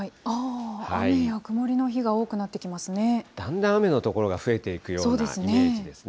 雨や曇りの日が多くなってきだんだん雨の所が増えていくようなイメージですね。